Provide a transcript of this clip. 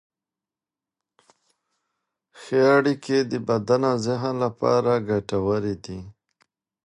ښه اړیکې د بدن او ذهن لپاره ګټورې دي.